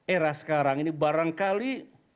era sekarang ini barangkali